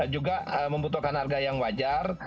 juga membutuhkan harga yang wajar